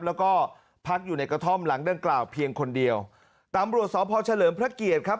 แล้วก็พักอยู่ในกระท่อมหลังดังกล่าวเพียงคนเดียวตำรวจสพเฉลิมพระเกียรติครับ